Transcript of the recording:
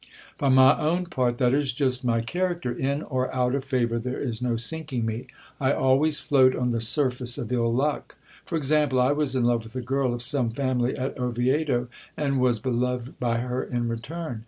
For my own part, that is just my character ; in or out of favour there is no sinking me ; I always float on the surface of ill luck. For example, I was in love with a girl of some family at Oviedo, and was beloved by her in return.